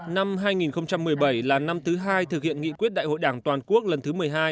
năm hai nghìn một mươi bảy là năm thứ hai thực hiện nghị quyết đại hội đảng toàn quốc lần thứ một mươi hai